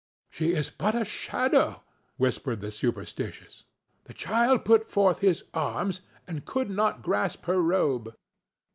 "She is but a shadow," whispered the superstitious. "The child put forth his arms and could not grasp her robe."